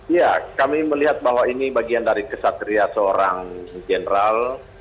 ya kami melihat bahwa ini bagian dari kesatria seorang general